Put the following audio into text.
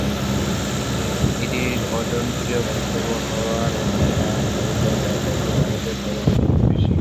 এটি অজনপ্রিয় গন্তব্য হওয়ার অন্য কারণ হল ব্যয়, যা কঠোর বাজেটের পর্যটকদের জন্য বেশি।